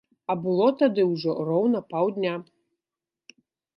А было тады ўжо роўна паўдня.